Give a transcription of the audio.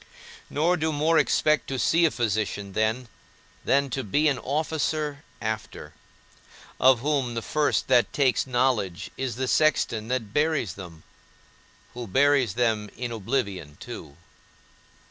Nor do more expect to see a physician then, than to be an officer after; of whom, the first that takes knowledge, is the sexton that buries them, who buries them in oblivion too!